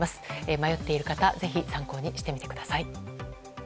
迷っている方ぜひ参考にしてみてください。